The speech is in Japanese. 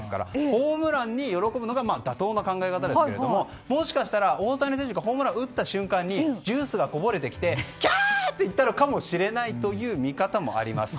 ホームランに喜ぶのが妥当な考え方ですけれどももしかしたら大谷選手がホームランを打った瞬間にジュースがこぼれてきてキャーって言ったのかもしれないという見方もあります。